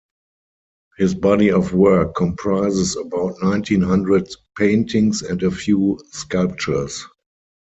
His body of work comprises about nineteen hundred paintings and a few sculptures.